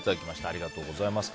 ありがとうございます。